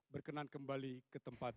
berkenan kembali ke tempat